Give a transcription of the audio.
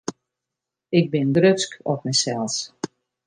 Ik bin grutsk op mysels.